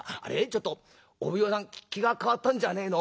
ちょっとお奉行さん気が変わったんじゃねえの。